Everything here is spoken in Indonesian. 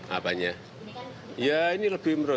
berbeda dengan debat utama yang dikisi mungkin